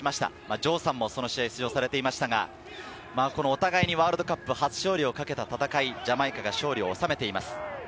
城さんもその試合に出場されていましたが、ワールドカップ初勝利を懸けた戦い、ジャマイカが勝利を収めています。